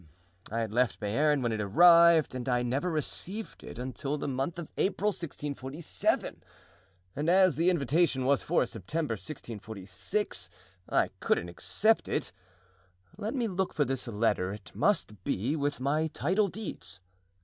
I had left Bearn when it arrived and I never received it until the month of April, 1647; and as the invitation was for September, 1646, I couldn't accept it. Let me look for this letter; it must be with my title deeds."